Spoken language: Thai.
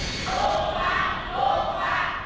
ถูกกว่า